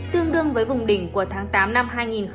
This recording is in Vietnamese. tương đương với vùng đỉnh của tháng tám năm hai nghìn hai mươi